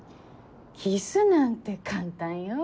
キスなんて簡単よ。